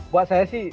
buat saya sih